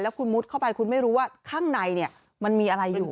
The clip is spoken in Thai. คุณมุดเข้าไปคุณไม่รู้ว่าข้างในมันมีอะไรอยู่